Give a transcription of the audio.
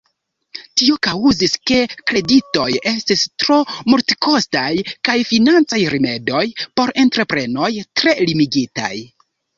Tio kaŭzis, ke kreditoj estis tro multekostaj kaj financaj rimedoj por entreprenoj tre limigitaj.